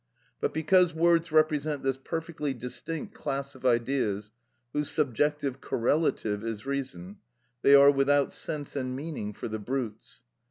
But because words represent this perfectly distinct class of ideas, whose subjective correlative is reason, they are without sense and meaning for the brutes.